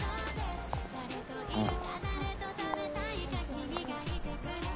うん。